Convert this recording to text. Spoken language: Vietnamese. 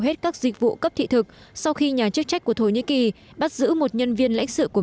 hết các dịch vụ cấp thị thực sau khi nhà chức trách của thổ nhĩ kỳ bắt giữ một nhân viên lãnh sự của